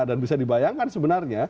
dan bisa dibayangkan sebenarnya